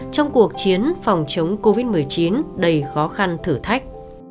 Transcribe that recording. trong cuộc chiến phòng chống covid một mươi chín đầy khó khăn thử thách